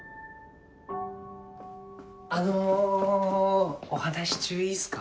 あのお話し中いいっすか？